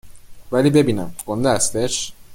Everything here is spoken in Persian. ولی ببینم ، گنده هستش؟